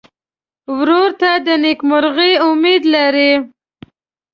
ورور ته د نېکمرغۍ امید لرې.